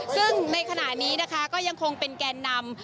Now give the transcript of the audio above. ซึ่งในขณะนี้นะคะก็ยังคงเป็นแกนนำ